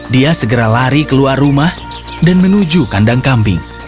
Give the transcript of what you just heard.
dia segera lari keluar rumah dan menuju kandang kambing